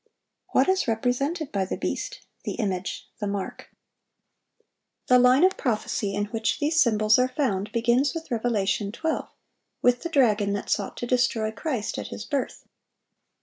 What is represented by the beast, the image, the mark? The line of prophecy in which these symbols are found, begins with Revelation 12, with the dragon that sought to destroy Christ at His birth.